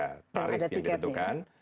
harif yang dibentukkan